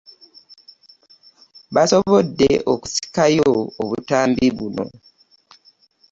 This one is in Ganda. Baasobodde okusikayo obutambi buno